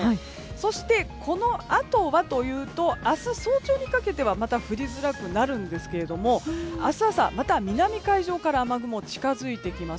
そして、このあとはというと明日早朝にかけてはまた降りづらくなるんですが明日朝また南海上から雨雲が近づいてきます。